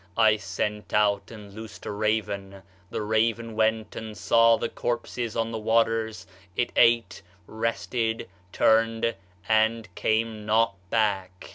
I sent out and loosed a raven; the raven went and saw the corpses on the waters; it ate, rested, turned, and came not back.